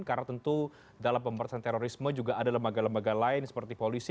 karena tentu dalam pemberantasan terorisme juga ada lembaga lembaga lain seperti polisi